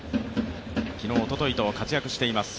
昨日、おとといと活躍しています